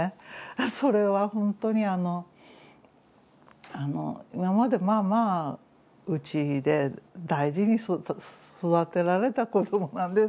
それはほんとに今までまあまあうちで大事に育てられた子どもなんですよ。